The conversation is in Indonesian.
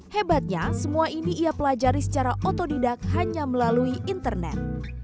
hebatnya semua ini ia pelajari secara otodidak hanya melalui internet